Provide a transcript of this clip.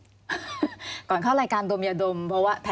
มันจอดอย่างง่ายอย่างง่ายอย่างง่ายอย่างง่าย